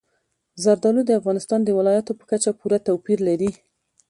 زردالو د افغانستان د ولایاتو په کچه پوره توپیر لري.